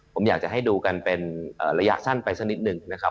ผมอยากจะให้ดูกันเป็นระยะสั้นไปสักนิดหนึ่งนะครับ